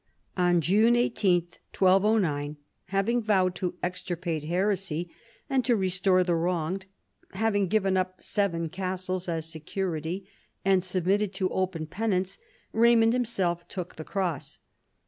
On June 18, 1209, having vowed to extirpate heresy, and to restore the wronged, having given up seven castles as security and submitted to open penance, Raymond himself took the cross.